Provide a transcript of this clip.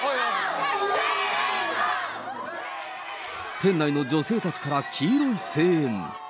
店内の女性たちから黄色い声援。